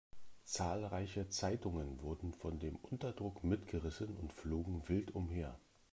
Zahlreiche Zeitungen wurden von dem Unterdruck mitgerissen und flogen wild umher.